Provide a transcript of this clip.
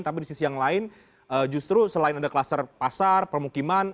tapi di sisi yang lain justru selain ada kluster pasar permukiman